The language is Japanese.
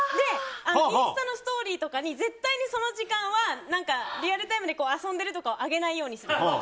インスタのストーリーとかに絶対にその時間はリアルタイムで遊んでるとかは上げないようにしてる。